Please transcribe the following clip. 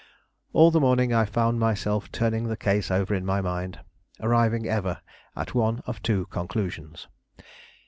All the morning I found myself turning the case over in my mind, arriving ever at one of two conclusions.